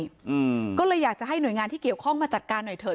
อืมก็เลยอยากจะให้หน่วยงานที่เกี่ยวข้องมาจัดการหน่อยเถอ